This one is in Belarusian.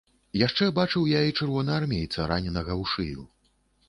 Яшчэ бачыў я і чырвонаармейца, раненага ў шыю.